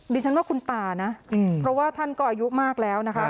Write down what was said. ดิฉันว่าคุณตานะเพราะว่าท่านก็อายุมากแล้วนะคะ